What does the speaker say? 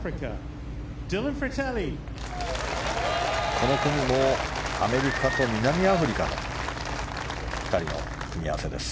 この組もアメリカと南アフリカの２人の組み合わせです。